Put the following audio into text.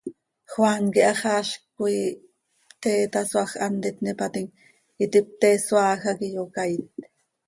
Juan quih haxaazc coi pte itasoaaj, hant itnípatim, iti pte isoaaj hac iyocaait.